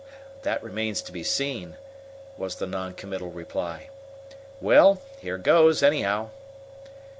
"That remains to be seen," was the non committal reply. "Well, here goes, anyhow!"